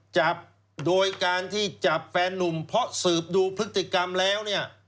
จับโดยการที่จับแฟนนุ่มเพราะสืบดูพฤติกรรมแล้วเนี่ย